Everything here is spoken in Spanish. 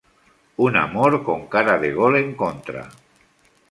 Un amor con cara de gol en contra.